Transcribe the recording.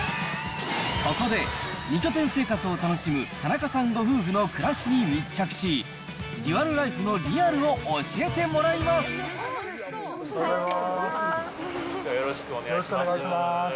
そこで、２拠点生活を楽しむ田中さんご夫婦の暮らしに密着し、デュアルライフのリアルを教えてもらいます。